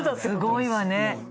すごいわね。